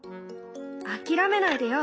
諦めないでよ！